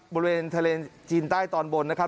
บริเวณทะเลจีนใต้ตอนบนนะครับ